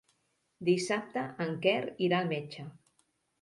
Dissabte en Quer irà al metge.